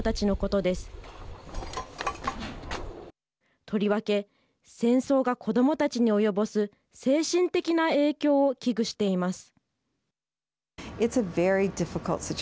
とりわけ、戦争が子どもたちに及ぼす精神的な影響を危惧しています。